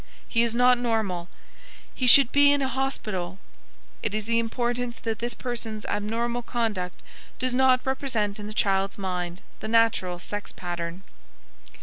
"He is not normal." "He should be in a hospital." It is important that this person's abnormal conduct does not represent in the child's mind the natural sex pattern.